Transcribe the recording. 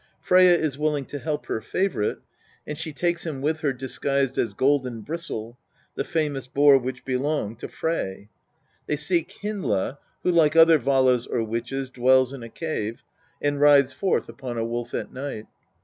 Freyja is willing to help her favourite, and she takes him with her disguised as Golden bristle, the famous boar which belonged to Frey. They seek Hyndla, who, like other valas or witches, dwells in a cave, and rides forth upon a wolf at night.